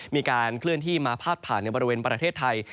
มีการเคลื่อนที่มาพาดผ่านในบริเวณประเทศไทย